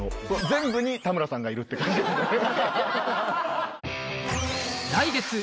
全部に田村さんがいるって感じですね。